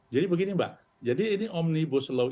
jadi begini mbak jadi ini omnibus law